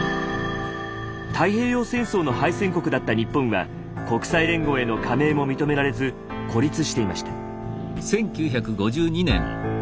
太平洋戦争の敗戦国だった日本は国際連合への加盟も認められず孤立していました。